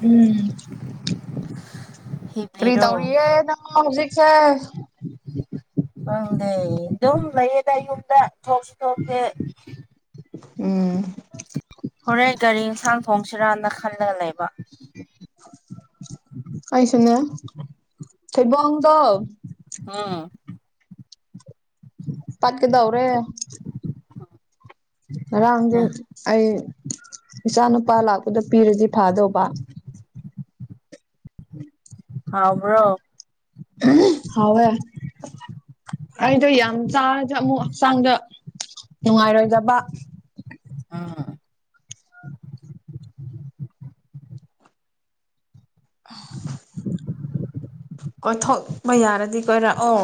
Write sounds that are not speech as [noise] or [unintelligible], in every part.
ꯎꯝ ꯀꯔꯤ ꯍꯤꯞꯂꯤꯔꯣ ꯇꯧꯔꯤꯑꯦ [unintelligible] ꯍꯧꯖꯤꯛꯁꯦ [unintelligible] ꯑꯗꯨꯝ ꯂꯩꯌꯦꯗ ꯌꯨꯝꯗ ꯊꯣꯛꯁꯨ ꯊꯣꯛꯇꯦ ꯎꯝ [unintelligible] ꯀꯔꯤ ꯌꯦꯟꯁꯥꯡ ꯊꯣꯡꯁꯤꯔꯥꯅ ꯈꯜꯂꯒ ꯂꯩꯕ ꯑꯩꯁꯨꯅꯦ ꯊꯩꯕꯣꯡꯗꯣ [unintelligible] ꯄꯥꯠꯀꯗꯧꯔꯦ ꯉꯔꯥꯡꯗꯨ ꯑꯩ ꯏꯆꯥ ꯅꯨꯨꯄꯥ ꯂꯥꯛꯄꯗ ꯄꯤꯔꯗꯤ ꯐꯥꯗꯧꯕ ꯍꯥꯎꯕ꯭ꯔꯣ ꯍꯥꯎꯋꯦ ꯑꯩꯗꯣ ꯌꯥꯝ ꯆꯥꯔꯗꯤ ꯑꯃꯨꯛ ꯍꯛꯆꯥꯡꯗ ꯅꯨꯡꯉꯥꯏꯔꯣꯏꯗꯕ [unintelligible] [inaudible] ꯀꯣꯏꯊꯣꯛꯄ ꯌꯥꯔꯗꯤ ꯀꯣꯏꯔꯛꯑꯣ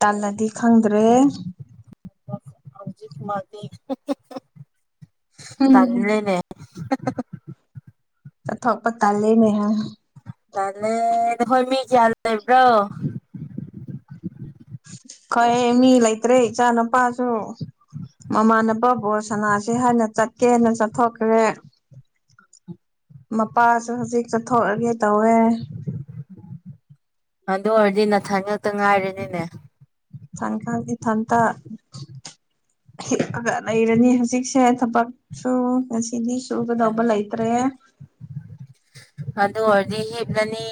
ꯇꯜꯂꯗꯤ ꯈꯪꯗ꯭ꯔꯦ [unintelligible] ꯎꯝ ꯇꯜꯂꯦꯅꯦ ꯆꯠꯊꯣꯛꯄ ꯇꯜꯂꯦꯅꯦꯍꯥ ꯇꯜꯂꯦ ꯅꯈꯣꯏ ꯃꯤ ꯀꯌꯥ ꯂꯩꯕ꯭ꯔꯣ ꯈꯣꯏ ꯃꯤ ꯂꯩꯇ꯭ꯔꯦ ꯏꯆꯥ ꯅꯨꯨꯄꯥꯁꯨ ꯃꯃꯥꯟꯅꯕ ꯕꯣꯜ ꯁꯅꯥꯁꯦ ꯍꯥꯏꯅ ꯆꯠꯀꯦꯅ ꯆꯠꯊꯣꯛꯈ꯭ꯔꯦ ꯃꯄꯥꯁꯨ ꯍꯧꯖꯤꯛ ꯆꯠꯊꯣꯛꯔꯒꯦ ꯇꯧꯋꯦ ꯑꯗꯨ ꯑꯣꯏꯔꯗꯤ ꯅꯊꯟ ꯉꯛꯇ ꯉꯥꯏꯔꯅꯤꯅꯦ [unintelligible] [unintelligible] ꯂꯩꯔꯅꯤ ꯍꯧꯖꯤꯛꯁꯦ ꯊꯕꯛ [unintelligible] ꯉꯁꯤꯗꯤ ꯁꯨꯒꯗꯧꯕ ꯂꯩꯇ꯭ꯔꯦ ꯑꯗꯨ ꯑꯣꯏꯔꯗꯤ ꯍꯤꯞꯂꯅꯤ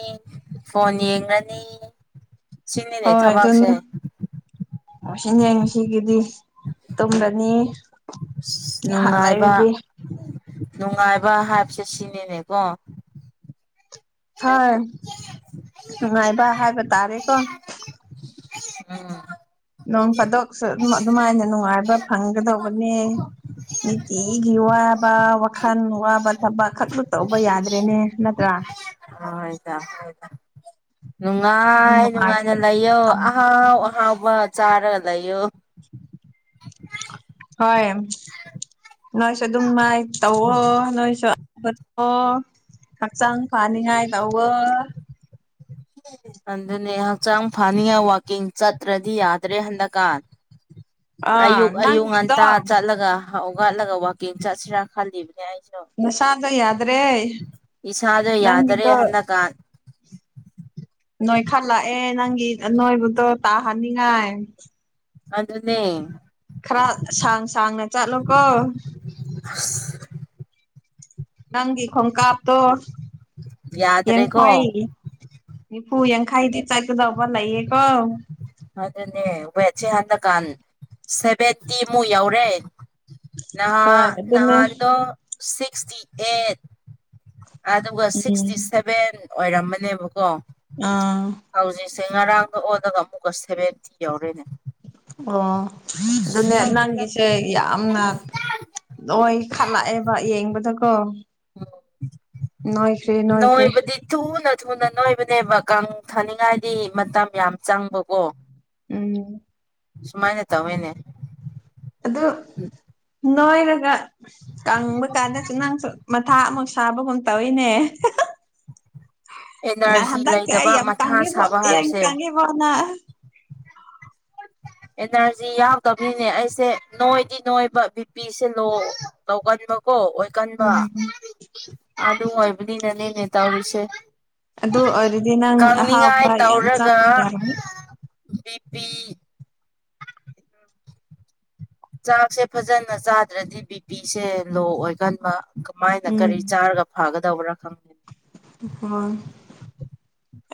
ꯐꯣꯟ ꯌꯦꯡꯔꯅꯤ ꯍꯣꯏ ꯑꯗꯨꯅꯦ ꯑꯁꯤꯅꯦ ꯉꯁꯤꯒꯤꯗꯤ ꯇꯨꯝꯒꯅꯤ [unintelligible] ꯅꯨꯡꯉꯥꯏꯕ ꯅꯨꯡꯉꯥꯏꯕ ꯍꯥꯏꯕꯁꯦ ꯁꯤꯅꯤꯅꯦꯀꯣ ꯍꯣꯏ ꯅꯨꯡꯉꯥꯏꯕ ꯍꯥꯏꯕ ꯇꯥꯔꯦꯀꯣ [inaudible] ꯅꯣꯡ ꯐꯥꯗꯣꯛꯁꯨ ꯑꯗꯨꯃ ꯑꯗꯨꯃꯥꯏꯅ ꯅꯨꯡꯉꯥꯏꯕ ꯐꯪꯒꯗꯧꯕꯅꯦ ꯅꯤꯇꯤꯒꯤ ꯋꯥꯕ ꯋꯥꯈꯜ ꯋꯥꯕ ꯊꯕꯛ ꯈꯛꯇ ꯇꯧꯕ ꯌꯥꯗ꯭ꯔꯦꯅꯦ ꯅꯠꯇ꯭ꯔꯥ ꯍꯣꯏꯗ ꯍꯣꯏꯗ ꯑꯗꯨꯝ ꯅꯨꯡꯉꯥꯏ ꯅꯨꯡꯉꯥꯏ ꯅꯨꯡꯉꯥꯏꯅ ꯂꯩꯌꯣ ꯑꯍꯥꯎ ꯑꯍꯥꯎꯕ ꯆꯥꯔꯒ ꯂꯩꯌꯣ ꯍꯣꯏ ꯅꯣꯏꯁꯨ ꯑꯗꯨꯝ ꯃꯥꯏ ꯇꯧꯑꯣ ꯅꯣꯏꯁꯨ [unintelligible] ꯍꯛꯆꯥꯡ ꯐꯅꯤꯡꯉꯥꯏ ꯇꯧꯑꯣ ꯑꯗꯨꯅꯦ ꯍꯛꯆꯥꯡ ꯐꯅꯤꯡꯉꯥꯏ ꯋꯥꯛꯀꯤꯡ ꯆꯠꯇ꯭ꯔꯗꯤ ꯌꯥꯗ꯭ꯔꯦ ꯍꯟꯗꯛꯀꯥꯟ ꯑꯥ ꯑꯌꯨꯛ ꯑꯌꯨꯛ ꯅꯪꯒꯤꯗꯣ ꯉꯟꯇꯥ ꯆꯠꯂꯒ ꯍꯧꯒꯠꯂꯒ ꯋꯥꯛꯀꯤꯡ ꯆꯠꯁꯤꯔꯥ ꯈꯜꯂꯤꯕꯅꯦ ꯑꯩꯁꯦ ꯅꯁꯥꯗꯣ ꯌꯥꯗ꯭ꯔꯦ ꯏꯁꯥꯗꯣ ꯌꯥꯗꯔꯦ ꯅꯪꯒꯤꯗꯣ ꯍꯟꯗꯛꯀꯥꯟ ꯅꯣꯏ ꯈꯜꯂꯛꯑꯦ ꯅꯪꯒꯤ ꯅꯣꯏꯕꯨꯗꯣ ꯇꯥꯍꯅꯤꯡꯉꯥꯏ ꯑꯗꯨꯅꯦ ꯈꯔ ꯁꯥꯡ ꯁꯥꯡꯅ ꯆꯠꯂꯨꯀꯣ [unintelligible] ꯅꯪꯒꯤ ꯈꯣꯡꯀꯥꯞꯇꯣ ꯌꯥꯗ꯭ꯔꯦꯀꯣ ꯌꯦꯡꯈꯥꯏ ꯅꯤꯐꯨ ꯌꯥꯡꯈꯩꯗꯤ ꯆꯠꯀꯗꯧꯕ ꯂꯩꯌꯦꯀꯣ ꯑꯗꯨꯅꯦ ꯋꯦꯠꯁꯦ ꯍꯟꯗꯛꯀꯥꯟ ꯁꯚꯦꯟꯇꯤꯃꯨꯛ ꯌꯥꯎꯔꯦ ꯍꯣꯏ ꯅꯍꯥꯟ ꯑꯗꯨꯅꯦ ꯅꯍꯥꯟꯗꯣ ꯁꯤꯛꯁꯇꯤ ꯑꯩꯠ ꯑꯗꯨꯒ ꯎꯝ ꯁꯤꯛꯁꯇꯤ ꯁꯦꯚꯦꯟ ꯑꯣꯏꯔꯝꯕꯅꯦꯕꯀꯣ ꯑꯥ ꯍꯧꯖꯤꯛꯁꯦ ꯉꯔꯥꯡꯗ ꯑꯣꯜꯂꯒ ꯑꯃꯨꯛꯀ ꯁꯦꯚꯦꯟꯇꯤ ꯌꯥꯎꯔꯦꯅꯦ ꯑꯣ ꯑꯗꯨꯅꯦ ꯈꯪꯗꯦꯗ ꯅꯪꯒꯤꯁꯦ ꯌꯥꯝꯅ ꯅꯣꯏ ꯈꯠꯂꯛꯑꯦꯕ ꯌꯦꯡꯕꯗꯀꯣ ꯅꯣꯏꯈ꯭ꯔꯦ ꯅꯣꯏꯈ꯭ꯔꯦ ꯅꯣꯏꯕꯗꯤ ꯊꯨꯅ ꯊꯨꯅ ꯅꯣꯏꯕꯅꯦꯕ ꯀꯥꯡ ꯊꯥꯅꯤꯡꯉꯥꯏꯗꯤ ꯃꯇꯝ ꯌꯥꯝ ꯆꯪꯕꯀꯣ ꯎꯝ ꯁꯨꯃꯥꯏꯅ ꯇꯋꯦꯅꯦ ꯑꯗꯣ ꯎꯝ ꯅꯣꯏꯔꯒ ꯀꯪꯕ ꯀꯥꯟꯗꯁꯨ ꯅꯪꯁꯨ ꯃꯊꯥ ꯑꯃꯨꯛ ꯁꯥꯕꯒꯨꯝ ꯇꯧꯏꯅꯦ ꯑꯦꯅꯔꯖꯤ ꯉꯍꯟꯗꯛꯇꯤ ꯂꯩꯇꯕ ꯑꯩ ꯌꯥꯝ ꯃꯊꯥ ꯇꯉꯤꯕꯣ ꯁꯥꯕ ꯏꯌꯥꯡ ꯍꯥꯏꯕꯁꯦ ꯀꯉꯤꯕꯣꯅ ꯑꯦꯅꯔꯖꯤ ꯌꯥꯎꯗꯕꯅꯤꯅꯦ ꯑꯩꯁꯦ ꯅꯣꯏꯗꯤ ꯅꯣꯏꯕ ꯕꯤꯄꯤꯁꯤ ꯂꯣ ꯇꯧꯒꯟꯕ ꯀꯣ ꯑꯣꯏ ꯀꯟꯕ ꯎꯝ ꯑꯗꯨ ꯑꯣꯏꯕꯅꯤꯅꯅꯦꯅꯦ ꯇꯧꯔꯤꯁꯦ ꯑꯗꯨ ꯑꯣꯏꯔꯗꯤ ꯅꯪ ꯀꯪꯅꯤꯡꯉꯥꯏ ꯑꯍꯥꯎꯕ ꯌꯥꯝ ꯆꯥꯕ ꯌꯥꯔꯅꯤ ꯕꯤꯄꯤ ꯆꯥꯛꯁꯦ ꯐꯖꯅ ꯆꯥꯗ꯭ꯔꯗꯤ ꯕꯤ ꯄꯤꯁꯦ ꯂꯣ ꯑꯣꯏꯒꯟꯕ ꯀꯃꯥꯏꯅ ꯎꯝ ꯀꯔꯤ ꯆꯥꯔꯒ ꯐꯥꯒꯗꯧꯕ꯭ꯔꯥ ꯈꯪꯉ ꯍ [unintelligible]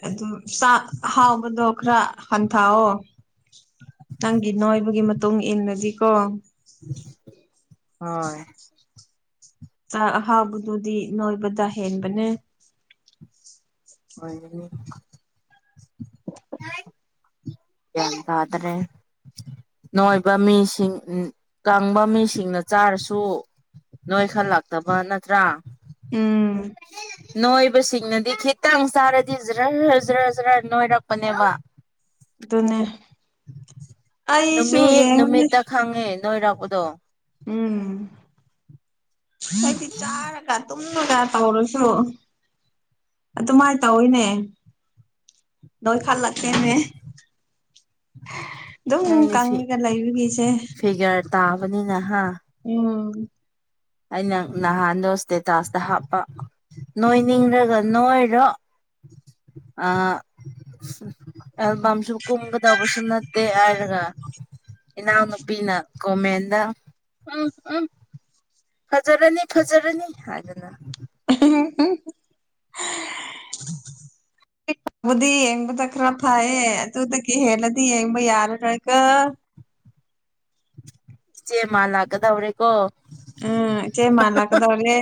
ꯑꯗꯨ ꯆꯥꯛ ꯑꯍꯥꯎꯕꯗꯣ ꯈꯔ ꯍꯟꯊꯑꯣ ꯅꯪꯒꯤ ꯅꯣꯏꯕꯒꯤ ꯃꯇꯨꯡ ꯏꯟꯅꯗꯤꯀꯣ ꯍꯣꯏ ꯆꯥꯛ ꯑꯍꯥꯎꯕꯗꯨꯗꯤ ꯅꯣꯏꯕꯗ ꯍꯦꯟꯕꯅꯦ ꯑꯣꯏꯅꯤ ꯌꯥꯏ ꯇꯗ꯭ꯔꯦ ꯅꯣꯏꯕ ꯃꯤꯁꯤꯡ ꯀꯪꯕ ꯃꯤꯁꯤꯡꯅ ꯆꯥꯔꯁꯨ ꯅꯣꯏ ꯈꯜꯂꯛꯇꯕ ꯅꯠꯇ꯭ꯔꯥ ꯎꯝ ꯅꯣꯏꯕꯁꯤꯡꯅꯗꯤ ꯈꯤꯇꯪ ꯆꯥꯔꯗꯤ ꯖꯔ ꯖꯔ ꯖꯔ ꯖꯔ ꯅꯣꯏꯔꯛꯄꯅꯦꯕ ꯑꯗꯨꯅꯦ ꯑꯩꯁꯨ ꯅꯨꯃꯤꯠ ꯌꯦꯡꯉꯨꯅꯦ ꯅꯨꯃꯤꯠꯇ ꯈꯪꯉꯦ ꯅꯣꯏꯔꯥꯛꯄꯗꯣ ꯎꯝ ꯀꯗꯤ ꯆꯔꯒ ꯑꯗꯨ [unintelligible] ꯇꯧꯔꯁꯨ ꯑꯗꯨꯃꯥꯏ ꯇꯧꯋꯤꯅꯦ ꯅꯣꯏ ꯈꯔꯂꯛꯀꯦꯅꯦ ꯑꯗꯨꯝ ꯅꯪꯗꯤ ꯐꯤ ꯀꯪꯉꯒ ꯂꯩꯕꯒꯤꯁꯦ ꯐꯤꯒꯔ ꯇꯥꯕꯅꯤꯅꯍ ꯎꯝ ꯑꯩꯅ ꯅꯍꯥꯟꯗꯣ ꯏꯁꯇꯦꯇꯥꯁꯇ ꯍꯥꯞꯄ ꯅꯣꯏꯅꯤꯡꯔꯒ ꯅꯣꯏꯔꯣ ꯑꯝꯁꯨ ꯀꯨꯝꯒꯗꯧꯕꯁꯨ ꯅꯠꯇꯦ ꯍꯥꯏꯔꯒ ꯏꯅꯥꯎꯅꯨꯄꯤꯅ ꯒꯣꯃꯦꯟꯗ ꯎ ꯎ ꯐꯖꯔꯅꯤ ꯐꯖꯔꯅꯤ ꯍꯥꯏꯗꯅ [unintelligible] ꯐꯕꯨꯗꯤ ꯌꯦꯡꯕꯗ ꯈꯔ ꯐꯌꯦꯦ ꯑꯗꯨꯗ ꯀ ꯍꯦꯜꯂꯗꯤ ꯌꯦꯡꯕ ꯌꯥꯔ ꯀ꯭ꯔꯒ ꯏꯆꯦ ꯃꯥ ꯂꯥꯛꯀꯗꯧꯔꯦ ꯀꯣ ꯎꯝ ꯏꯆꯦ ꯃꯥꯜꯂꯛꯀꯗꯧꯔꯦ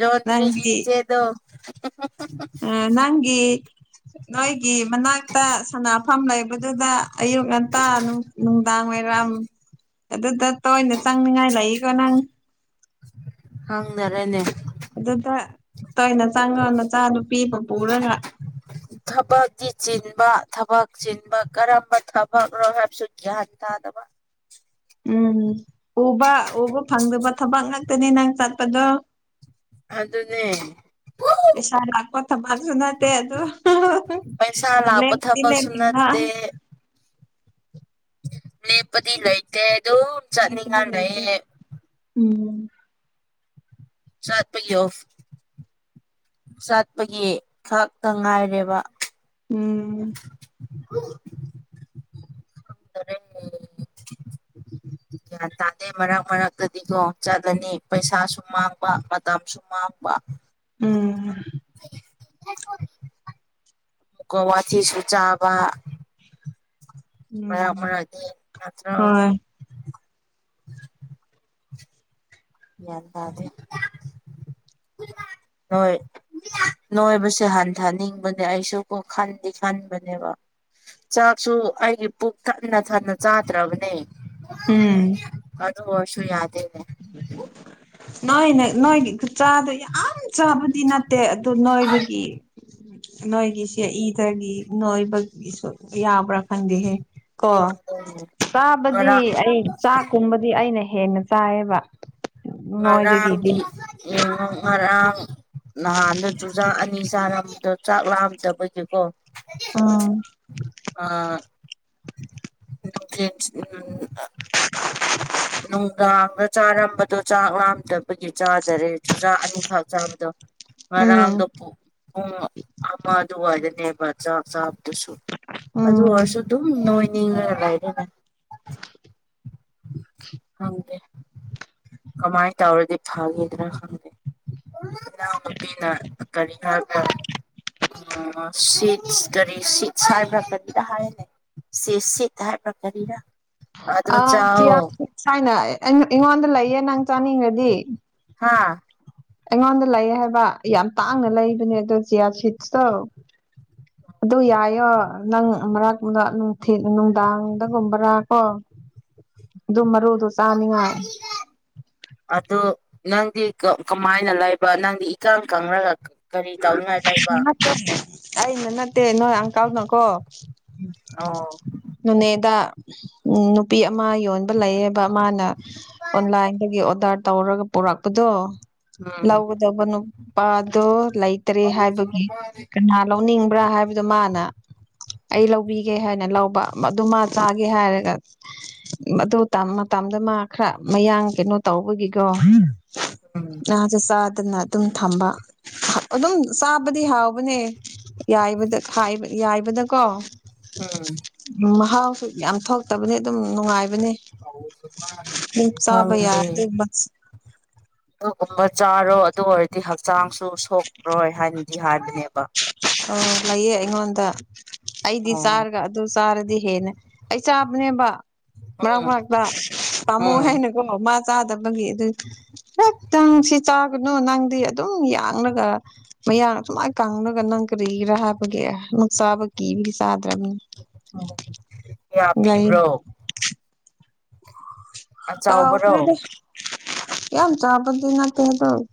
ꯔꯣꯟꯇꯔꯤ ꯆꯦꯗꯣ ꯑ ꯅꯪꯒꯤ ꯅꯣꯏꯒꯤ ꯃꯅꯥꯛꯇ ꯁꯥꯟꯅꯐꯝ ꯂꯩꯕꯗꯨꯗ ꯑꯌꯨꯛ ꯉꯟꯇꯥ ꯅꯨꯡꯗꯥꯡ ꯋꯥꯏꯔꯝ ꯑꯗꯨꯗ ꯇꯣꯏꯅ ꯆꯪꯅꯤꯡꯉꯥꯏ ꯂꯩꯏꯀꯣ ꯅꯪ ꯈꯪꯗꯔꯦꯅꯦ ꯑꯗꯨꯗ ꯇꯣꯏꯅ ꯆꯪꯉꯣ ꯅꯆꯥ ꯅꯨꯄꯤ ꯑꯃ ꯄꯨꯔꯒ ꯊꯕꯛꯀꯤ ꯆꯤꯟꯕ ꯊꯕꯛ ꯆꯤꯟꯕ ꯀꯔꯝꯕ ꯊꯕꯛꯅꯣ ꯍꯥꯏꯕꯁꯨ ꯒ꯭ꯌꯥꯟ ꯇꯥꯗꯕ ꯎꯝ ꯎꯕ ꯎꯕ ꯐꯪꯗꯕ ꯊꯕꯛ ꯉꯥꯛꯇꯅꯤ ꯅꯪ ꯆꯠꯄꯗꯣ ꯑꯗꯨꯅꯦ ꯄꯩꯁꯥ ꯂꯥꯛꯄ ꯊꯕꯛꯁꯨ ꯅꯠꯇꯦ ꯑꯗꯨ ꯄꯩꯁꯥ ꯂꯥꯛꯄ ꯂꯦꯞꯇꯤ ꯊꯕꯛꯁꯨ ꯂꯦꯞꯅꯤꯡꯕ ꯅꯠꯇꯦ ꯂꯦꯟꯄꯗꯤ ꯂꯩꯇꯦ ꯑꯗꯨꯝ ꯂꯦꯞꯄꯗꯤ ꯆꯠꯅꯤꯡꯉꯥꯢ ꯂꯩꯇꯦ ꯂꯩꯌꯦ ꯎꯝ ꯆꯠꯄꯒꯤ ꯆꯥꯠꯄꯒꯤ ꯈꯥꯛꯇ ꯉꯥꯏꯔꯦꯕ ꯎꯝ ꯦ [inaudible] ꯒ꯭ꯌꯥꯟ ꯇꯥꯗꯦ ꯃꯔꯛ ꯃꯔꯛꯇꯗꯤꯀꯣ ꯆꯠꯂꯅꯤ ꯄꯩꯁꯥꯁꯨ ꯃꯥꯡꯕ ꯃꯇꯝꯁꯨ ꯃꯥꯡꯕ ꯎꯝ ꯑꯃꯨꯛꯀ ꯋꯥꯊꯤꯁꯨ ꯆꯥꯕ ꯃ ꯎꯝ ꯃ꯭ꯔ [inaudible] ꯍꯣꯏ ꯒꯌꯥꯟ ꯇꯥꯗꯦ ꯅꯣꯢ ꯅꯣꯏꯕꯁꯦ ꯍꯟꯊꯅꯤꯡꯕꯅꯦ ꯑꯩꯁꯨ ꯀꯣ ꯈꯟꯗꯤ ꯈꯟꯕꯅꯦꯕ ꯆꯥꯛꯁꯨ ꯑꯩꯒꯤ ꯄꯨꯛ ꯊꯟꯅ ꯊꯟꯅ ꯆꯥꯗ꯭ꯔꯕꯅꯦ ꯎꯝ ꯑꯗꯨ ꯑꯣꯏꯁꯨ ꯌꯥꯗꯦꯅꯦ ꯅꯣꯏꯅ ꯅꯣꯏꯒꯤ ꯈꯨꯆꯥꯗꯣ ꯌꯥꯝ ꯆꯥꯕꯗꯤ ꯅꯠꯇꯦ ꯑꯗꯨ ꯅꯣꯏꯕꯒꯤ ꯅꯣꯏꯒꯤꯁꯦ ꯏꯗꯒꯤ ꯅꯣꯏꯕꯒꯤꯁꯨ ꯌꯥꯕ꯭ꯔꯥ ꯈꯪꯗꯦꯍꯦ ꯀꯣ ꯑꯗꯨꯅꯦ ꯆꯥꯕꯗꯤ ꯉꯔꯥꯡ ꯑꯩ ꯆꯥꯛꯀꯨꯝꯕꯗꯤ ꯑꯩꯅ ꯍꯦꯟꯅ ꯆꯥꯏꯌꯦꯕ ꯅꯣꯏꯗꯒꯤꯗꯤ ꯉꯔꯥꯡꯗꯤ ꯌꯦꯡꯉꯣ ꯉꯔꯥꯡ ꯅꯍꯥꯟꯗ ꯆꯥꯛ ꯑꯅꯤ ꯆꯥꯔꯝꯕꯗꯣ ꯆꯥꯛ ꯂꯥꯛꯑꯝꯗꯕꯒꯤꯀꯣ ꯎꯝ ꯑꯥ ꯅꯨꯡꯊꯤꯜ ꯅꯨꯡꯗꯥꯡꯒ ꯆꯥꯔꯝꯕꯗꯣ ꯆꯥꯛ ꯂꯥꯝꯗꯕꯒꯤ ꯆꯥꯗꯔꯦ ꯆꯨꯖꯥꯛ ꯑꯅꯤꯈꯛ ꯆꯥꯕꯗꯣ ꯎꯝ ꯉꯥꯡꯗꯣ ꯄꯨꯡ ꯑꯃ ꯑꯗꯨꯋꯥꯏꯗꯅꯦꯕ ꯆꯥꯛ ꯆꯥꯕꯗꯨꯁꯨ ꯑꯗꯨ ꯎꯝ ꯑꯣꯏꯔꯁꯨ ꯑꯗꯨꯝ ꯅꯣꯏꯅꯤꯡꯉ ꯂꯩꯔꯦꯅꯦ ꯈꯪꯗꯦ ꯀꯃꯥꯏꯅ ꯇꯧꯔꯗꯤ ꯐꯥꯈꯤꯗꯔꯥ ꯈꯪꯗꯦ ꯕꯤꯅ ꯀ [inaudible] ꯎ ꯁꯤꯠꯁ ꯀꯔꯤ ꯁꯤꯠꯁ ꯍꯥꯏꯕ꯭ꯔꯥ ꯀꯔꯤꯔ ꯍꯥꯏꯅꯦ ꯁꯤꯁꯤ ꯇꯔ ꯄ ꯀꯔꯤꯔ [inaudible] ꯑꯥ ꯆꯤꯌꯥ ꯁꯥꯏꯅ ꯑꯩꯉꯣꯟꯗ ꯂꯩꯌꯦ ꯅꯪ ꯆꯥꯅꯤꯡꯈ꯭ꯔꯗꯤ ꯍꯥꯥ ꯑꯩꯉꯣꯟꯗ ꯂꯩ ꯍꯥꯏꯕ ꯌꯥꯝ ꯇꯥꯡꯅ ꯂꯩꯕꯅꯦ ꯑꯗꯣ ꯖꯤꯌꯥ ꯁꯤꯠꯁꯇꯣ [unintelligible] ꯑꯗꯨ ꯌꯥꯏꯌꯣ ꯅꯪ ꯃꯔꯛ ꯅꯨꯡꯊꯤ ꯅꯨꯡꯗꯥꯡꯗꯒꯨꯝꯕꯔꯥ ꯀꯣ ꯑꯗꯨ ꯃꯔꯨꯗꯨ ꯆꯥꯅꯤꯡꯉꯥꯢ ꯑꯗꯨ ꯅꯪꯗꯤ ꯀꯃꯥꯏꯅ ꯂꯩꯕ ꯅꯪꯗꯤ ꯏꯀꯪ ꯀꯪꯂꯒ ꯅꯠꯇꯦ ꯑꯩꯅ ꯅꯠꯇꯦ ꯅꯣꯏ ꯑꯪꯀꯜꯅꯀꯣ ꯑꯣ ꯅꯣꯅꯦꯗ ꯎ ꯅꯨꯄꯤ ꯑꯃ ꯌꯣꯟ ꯂꯩꯌꯦꯕ ꯃꯥꯅ ꯑꯣꯟꯂꯥꯏꯟꯗꯒꯤ ꯑꯣꯗꯔ ꯇꯧꯔꯒ ꯄꯨꯔꯛꯄꯗꯣ ꯎꯝ ꯂꯧꯒꯗꯕ ꯅꯨꯄꯥꯗꯣ ꯂꯩꯇ꯭ꯔꯦ ꯍꯥꯏꯕꯒꯤ ꯀꯅꯥ ꯂꯧꯅꯤꯡꯕ꯭ꯔꯥ ꯍꯥꯏꯕꯗꯣ ꯃꯥꯅ ꯑꯩ ꯂꯧꯕꯤ ꯥꯒꯦ ꯍꯥꯏꯅ ꯂꯧꯕ ꯑꯗꯨꯃ ꯆꯥꯒꯦ ꯍꯥꯏꯔꯒ ꯑꯗꯨ ꯃꯇꯝꯗ ꯃꯥ ꯈꯔ ꯃꯌꯥꯡ ꯀꯩꯅꯣ ꯇꯧꯕꯒꯤꯀꯣ [unintelligible] ꯉꯥꯁꯨ ꯆꯥꯗꯅ ꯑꯗꯨꯝ ꯊꯝꯕ ꯑꯗꯨꯝ ꯆꯥꯕꯗꯤ ꯍꯥꯎꯕꯅꯦ ꯌꯥꯏꯕꯗꯀꯣ ꯎꯝ ꯎ ꯃꯍꯥꯎꯁꯨ ꯌꯥꯝ ꯊꯣꯛꯇꯕꯅꯦ ꯑꯗꯨꯝ ꯅꯨꯡꯉꯥꯏꯕꯅꯦ ꯍꯪ ꯌꯥꯏ ꯑꯗꯨꯝꯕ ꯑꯗꯨꯒꯨꯝꯕ ꯆꯥꯔꯣ ꯑꯗꯨ ꯑꯣꯏꯔꯗꯤ ꯍꯛꯆꯥꯡꯁꯨ ꯁꯣꯛꯔꯣꯏ ꯍꯥꯏꯅꯗꯤ ꯍꯥꯏꯕꯅꯦꯕ ꯑ ꯂꯩꯌꯦ ꯑꯩꯉꯣꯟꯗ ꯑꯩꯗꯤ ꯑꯣ ꯆꯥꯔꯒ ꯑꯗꯨ ꯆꯥꯔꯗꯤ ꯍꯦꯟꯅ ꯑꯩ ꯆꯥꯕꯅꯦꯕ ꯃꯥꯛ ꯎꯝ ꯃꯔꯥꯛ ꯄꯥꯃꯨ ꯎꯝ ꯍꯦꯅ ꯑꯣ ꯃꯥ ꯆꯥꯗꯕꯒꯤ ꯑꯗꯨ ꯉꯛꯇꯪ ꯁꯤ ꯆꯥꯛ ꯅꯪꯗꯤ ꯑꯗꯨꯝ ꯌꯥꯡꯡꯂꯒ ꯃꯌꯥ ꯁꯨꯃꯥꯏ ꯀꯉꯒ ꯅꯪ ꯀꯔꯤ ꯔꯥꯕꯒꯛꯁꯥꯕꯀꯤ ꯁꯥꯗꯔꯅꯤ ꯑꯣ ꯄꯤꯕ꯭ꯔꯣ ꯑꯆꯥꯎꯕꯔꯣ ꯇꯈ꯭ꯔꯗ ꯌꯥꯝ ꯆꯥꯕꯗꯤ ꯅꯠꯇ ꯍꯥꯏꯗ [inaudible]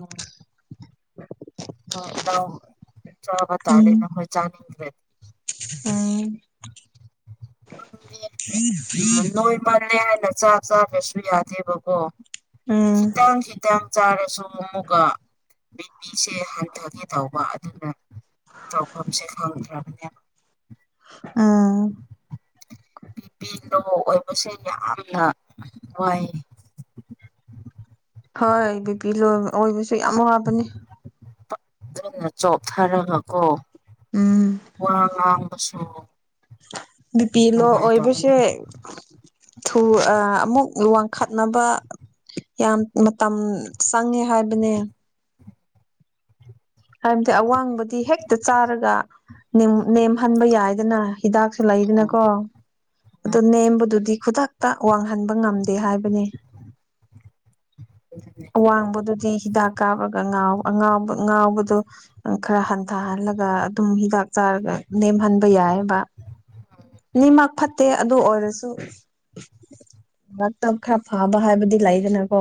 ꯑ [inaudible] ꯍꯣꯏ ꯅ ꯆꯥꯕ ꯇꯥꯔꯦ ꯎꯝ ꯅꯈꯣꯏ ꯆꯥꯅꯤꯡꯗ꯭ꯔꯦ ꯎꯝ ꯎ ꯅꯣꯏ ꯃꯥꯜꯂꯦ ꯍꯥꯏꯅ ꯆꯥ ꯆꯥꯗ꯭ꯔꯁꯨ ꯌꯥꯗꯦꯕꯀꯣ ꯎꯝ ꯊꯤꯇꯥꯝ ꯊꯤꯇꯥꯝ ꯆꯥꯔꯁꯨ ꯑꯃꯨꯛꯀ ꯕꯤꯄꯤꯁꯦ ꯍꯟꯊꯣꯛꯀꯦ ꯇꯧꯕ ꯑꯗꯨꯅ ꯇꯈ ꯁ ꯈꯔꯗ꯭ꯔꯥꯃꯤꯗꯅ ꯑꯥ ꯕꯤ ꯄꯗꯣ ꯑꯣꯏꯕꯁꯦ ꯌꯥꯝꯅ ꯋꯥꯏ ꯍꯣꯏ ꯕꯤꯄꯤ ꯂ ꯑꯣꯏꯕꯁꯨ ꯌꯥꯝ ꯋꯥꯕꯅꯦ ꯀꯟꯅ ꯆꯣꯞꯊꯔꯒꯀꯣ ꯎꯝ ꯋꯥ ꯉꯥꯡꯕꯁꯨ ꯅꯨꯄꯤ ꯂꯣ ꯑꯣꯏꯕꯁꯦ ꯅꯨꯡꯉꯥꯏꯇꯕꯅꯦ ꯑꯃꯨꯛ ꯋꯥꯡꯈꯠꯅꯕ ꯌꯥꯝ ꯃꯇꯝ ꯆꯪꯉꯦ ꯍꯥꯏꯕꯅꯦ ꯍꯥꯏꯕꯗꯤ ꯑꯋꯥꯡꯕꯗꯤ ꯍꯦꯛꯇ ꯆꯥꯔꯒ ꯅꯦꯝꯍꯟꯕ ꯌꯥꯏꯗꯅ ꯍꯤꯗꯥꯛꯁꯨ ꯎꯝ ꯂꯩꯗꯅꯀꯣ ꯑꯗꯨ ꯅꯦꯝꯕꯗꯨꯗꯤ ꯈꯨꯗꯛꯇ ꯋꯥꯡꯍꯟꯕ ꯉꯝꯗꯦ ꯍꯥꯏꯕꯅꯤ ꯑꯗꯨꯅꯦ ꯑꯋꯥꯡꯕꯗꯨꯗꯤ ꯍꯤꯗꯥꯛ ꯀꯥꯞꯂꯒ ꯉꯥꯎꯥꯎꯕ ꯉꯥꯎꯕ ꯑꯗ ꯈꯔ ꯍꯟꯊꯍꯜꯂꯒ ꯑꯗꯨꯝ ꯍꯤꯗꯥꯛ ꯆꯥꯔꯒ ꯅꯦꯝꯍꯟꯕ ꯌꯥꯏꯑꯕ ꯅꯤꯃꯛ ꯐꯠꯇꯦ ꯑꯗꯨ ꯑꯣꯏꯔꯁꯨ ꯃꯔꯛꯇ ꯈꯔ ꯐꯕ ꯍꯥꯏꯕꯗꯤ ꯂꯩꯗꯅꯀꯣ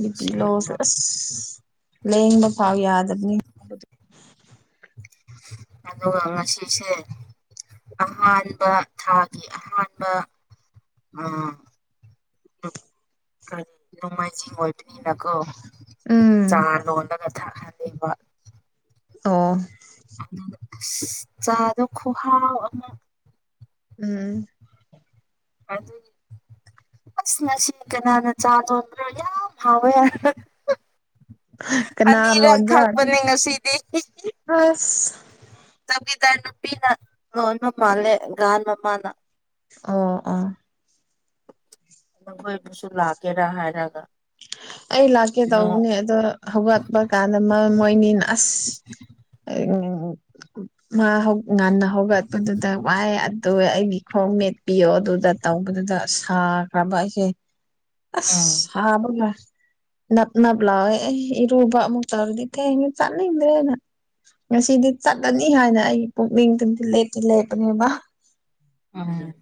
ꯅꯨꯄꯤ ꯂꯣꯁꯨ ꯑꯁꯦꯡꯕ ꯑꯁ ꯂꯦꯡꯕ ꯐꯥꯎ ꯌꯥꯗꯕꯅꯤ ꯑꯗꯣ ꯑꯉꯥꯡꯁꯤꯁꯦ ꯑꯍꯥꯟꯕ ꯊꯥꯒꯤ ꯑꯍꯥꯟꯕ ꯎꯝ ꯀꯔꯤ ꯅꯣꯡꯃꯥꯏꯖꯤꯡ ꯑꯣꯏꯕꯅꯤꯅꯀꯣ ꯎꯝ ꯆꯥ ꯂꯣꯜꯂꯒ ꯊꯛꯍꯟꯅꯤꯡꯕ ꯑꯣ ꯑꯗꯣ ꯑꯁꯁ ꯆꯥꯗꯣ ꯈꯨꯍꯥꯎ ꯑꯃ ꯎꯝ ꯍꯧꯖꯤꯛ꯫ ꯑꯁ ꯉꯁꯤ ꯀꯅꯥꯅ ꯆꯥ ꯂꯣꯟꯕꯔꯥ ꯌꯥꯝ ꯍꯥꯎꯋꯦ ꯍꯥꯏ꯫ ꯀꯅꯥ ꯑꯅꯤꯔꯛ ꯊꯛꯄꯅꯦ ꯉꯁꯤꯗꯤ꯫ ꯍꯁ꯫ ꯆꯧꯀꯤꯗ꯭ꯔ ꯅꯨꯄꯤꯅ ꯂꯣꯟꯕ ꯃꯥꯜꯂꯦ ꯒꯥꯟ ꯃꯃꯥꯅ꯫ ꯑꯣ ꯑꯣ꯫ ꯃꯈꯣꯏꯕꯨꯁꯨ ꯂꯥꯛꯀꯦꯔꯥ ꯍꯥꯏꯔꯒ꯫ ꯑꯩ ꯂꯥꯛꯀꯦ ꯅꯣ ꯇꯧꯕꯅꯦ ꯑꯗꯣ ꯍꯧꯒꯠꯄ ꯀꯥꯟꯗ ꯃꯥ ꯃꯣꯏꯅꯤꯅ ꯑꯁ꯫ ꯑ [unintelligible] ꯃꯥ ꯍꯧ ꯉꯟꯅ ꯍꯧꯒꯠꯄꯗꯨꯗ ꯋꯥꯏ ꯑꯗꯨ ꯑꯩꯒꯤ ꯈꯣꯡ ꯃꯦꯠꯄꯤꯌꯣ ꯑꯗꯨꯗ꯫ ꯇꯧꯕꯗꯨꯗ ꯁꯥꯈ꯭ꯔꯕ ꯑꯩꯁꯦ꯫ [inaudible] ꯑꯁ ꯁꯥꯕꯒꯥ꯫ ꯅꯞ ꯅꯞ ꯂꯥꯎꯋꯦ ꯑꯩ ꯏꯔꯨꯕ ꯑꯃꯨꯛ ꯇꯧꯔꯒꯦ ꯊꯦꯡꯉꯦ ꯆꯠꯅꯤꯡꯗꯔ꯭ꯦꯅ꯫ ꯉꯁꯤꯗꯤ ꯆꯠꯂꯅꯤ ꯍꯥꯏꯅ ꯑꯩꯒꯤ ꯄꯨꯛꯅꯤꯡꯗꯗꯤ ꯂꯦꯞꯇꯤ ꯂꯦꯞꯄꯅꯦꯕ꯫ ꯎꯝ꯫